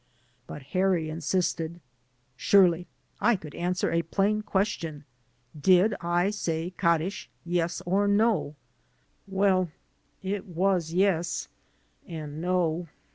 But Harry insisted. Surely I could answer a plain question: Did I say Jcaddish — ^yes or no? Well, it was yes and no.